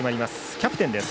キャプテンです。